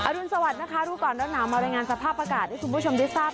รุนสวัสดิ์นะคะรู้ก่อนร้อนหนาวมารายงานสภาพอากาศให้คุณผู้ชมได้ทราบ